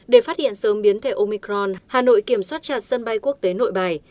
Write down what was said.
để phát hiện sớm biến thể omicron hà nội kiểm soát chặt sân bay quốc tế nội bài